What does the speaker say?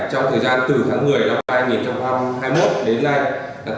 trong thời gian từ tháng một mươi năm hai nghìn hai mươi một đến nay